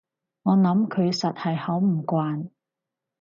我諗佢實係好唔慣